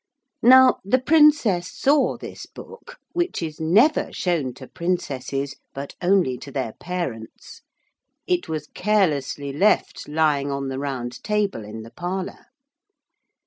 Now the Princess saw this book which is never shown to princesses, but only to their parents it was carelessly left lying on the round table in the parlour.